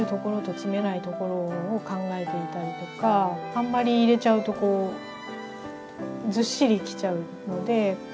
あんまり入れちゃうとこうずっしりきちゃうので。